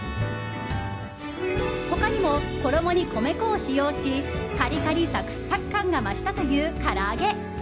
他にも衣に米粉を使用しカリカリ、サクサク感が増したという、から揚げ。